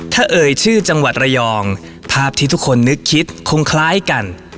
ถ้าเอ่ยชื่อจังหวัดระยองภาพที่ทุกคนนึกคิดคงคล้ายกัน